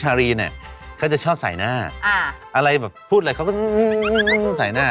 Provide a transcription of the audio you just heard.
อ่าแล้วมีจำสลับกันไหมอะเด็กแฟนแล้วหน้าเหมือนกันอะ